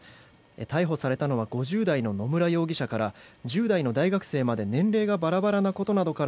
逮捕されたのは５０代の野村容疑者から１０代の大学生まで年齢がバラバラなことなどから